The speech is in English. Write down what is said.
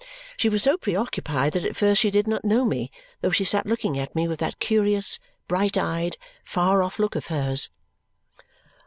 She was so preoccupied that at first she did not know me, though she sat looking at me with that curious, bright eyed, far off look of hers.